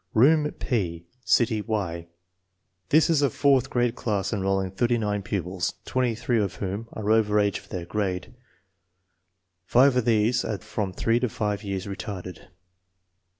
Room P, City " Y" This is a fourth grade class enrolling 39 pupils, 23 of whom are over age for their grade. Five of these are from three to five years retarded.